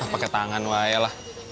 pakai tangan wa ya lah